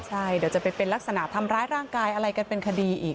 ใช่เดี๋ยวจะไปเป็นลักษณะทำร้ายร่างกายอะไรกันเป็นคดีอีก